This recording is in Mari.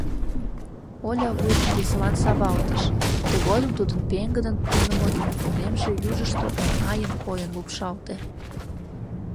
Оля вуйжым веселан савалтыш, тыгодым тудын пеҥгыдын пунымо ӱппунемже южышто оҥайын койын лупшалте.